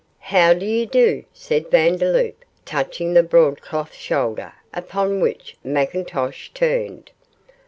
'How do you do?' said Vandeloup, touching the broadcloth shoulder; upon which McIntosh turned.